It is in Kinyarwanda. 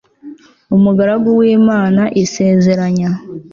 umugaragu wi mana isezeranya